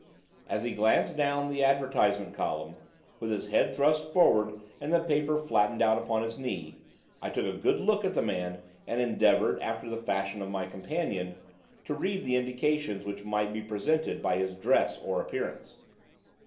As he glanced down the advertisement column, with his head thrust forward and the paper flattened out upon his knee, I took a good look at the man and endeavoured, after the fashion of my companion, to read the indications which might be presented by his dress or appearance.